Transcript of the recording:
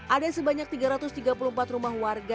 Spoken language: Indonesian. ada sebanyak tiga ratus tiga puluh empat rumah warga